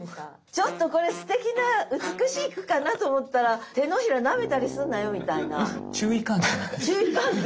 ちょっとこれすてきな美しい句かなと思ったら「手のひらなめたりすんなよ」みたいな。注意喚起。